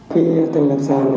khi tầng lập sàn